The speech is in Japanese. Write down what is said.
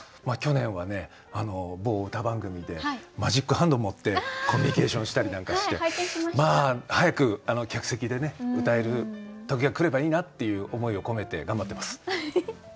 まあ去年は某歌番組でマジックハンド持ってコミュニケーションしたりなんかしてまあ早く客席で歌える時が来ればいいなっていう思いを込めて頑張ってます。